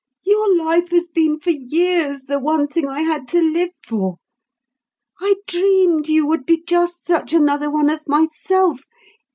Your life has been for years the one thing I had to live for. I dreamed you would be just such another one as myself.